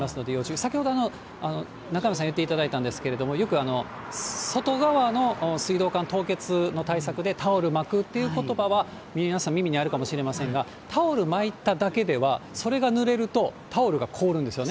先ほど中山さん言っていただいたんですけれども、よく外側の水道管凍結の対策でタオル巻くということばは皆さん耳にあるかもしれませんが、タオル巻いただけでは、それがぬれるとタオルが凍るんですよね。